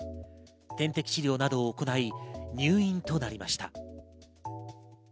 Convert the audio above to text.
点滴治療などを行い、入院となりました。